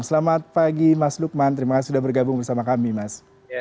selamat pagi mas lukman terima kasih sudah bergabung bersama kami mas